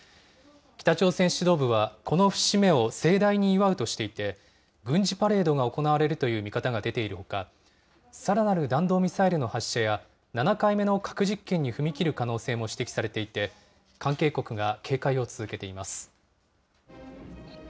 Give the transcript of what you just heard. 北朝鮮指導部はこの節目を盛大に祝うとしていて、軍事パレードが行われるという見方が出ているほか、さらなる弾道ミサイルの発射や、７回目の核実験に踏み切る可能性も指摘されていて、関係国が警戒を続けています。